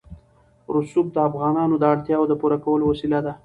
رسوب د افغانانو د اړتیاوو د پوره کولو وسیله ده.